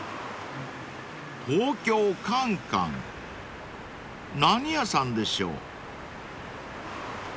［東京かんかん何屋さんでしょう］